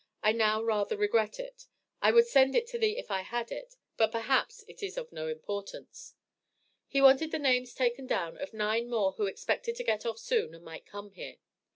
I now rather regret it. I would send it to thee if I had it, but perhaps it is of no importance. He wanted the names taken down of nine more who expected to get off soon and might come here.